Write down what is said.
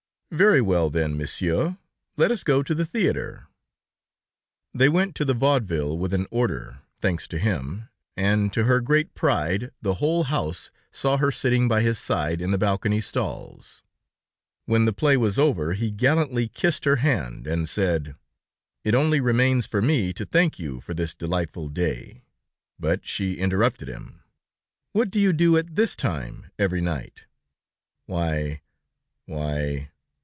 "Very well, then, Monsieur; let us go to the theater." They went to the Vaudeville with an order, thanks to him, and, to her great pride, the whole house saw her sitting by his side, in the balcony stalls. When the play was over, he gallantly kissed her hand, and said: "It only remains for me to thank you for this delightful day...." But she interrupted him: "What do you do at this time, every night?" "Why ... why